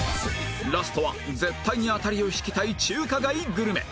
ラストは絶対にアタリを引きたい中華街グルメ